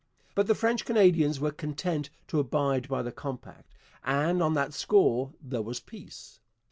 But the French Canadians were content to abide by the compact, and on that score there was peace.